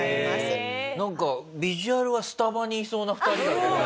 なんかビジュアルはスタバにいそうな２人だけどね。